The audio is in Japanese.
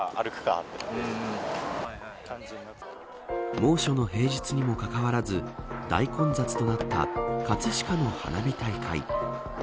猛暑の平日にもかかわらず大混雑となった葛飾の花火大会。